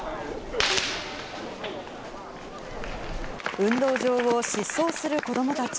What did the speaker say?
運動場を疾走する子どもたち。